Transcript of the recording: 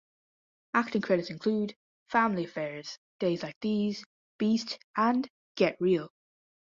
Acting credits include "Family Affairs", "Days Like These", "Beast", and "Get Real".